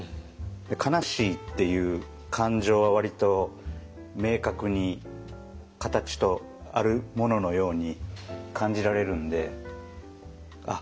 「悲しい」っていう感情は割と明確に形とあるもののように感じられるんであっ